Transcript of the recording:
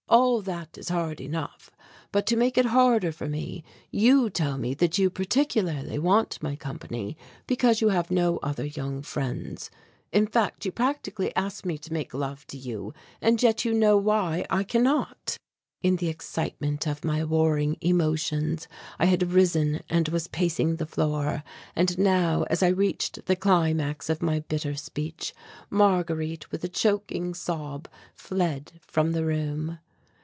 All that is hard enough, but to make it harder for me, you tell me that you particularly want my company because you have no other young friends. In fact you practically ask me to make love to you and yet you know why I cannot." In the excitement of my warring emotions I had risen and was pacing the floor, and now as I reached the climax of my bitter speech, Marguerite, with a choking sob, fled from the room.